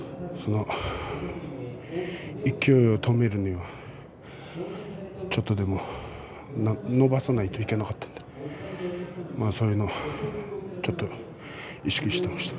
勢いを止めるのにはちょっとでものばさないといけなかったのでちょっと意識していました。